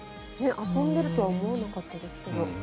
遊んでるとは思わなかったですけど。